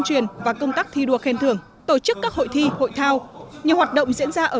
truyền và công tác thi đua khen thưởng tổ chức các hội thi hội thao nhiều hoạt động diễn ra ở